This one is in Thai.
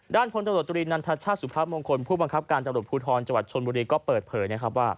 ด้านพลตตุรินันทชสภพมงคลผู้บังคับการตลกภูทรจวดชนบุรีเปิดเผย